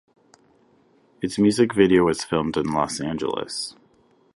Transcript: Its music video was filmed in Los Angeles.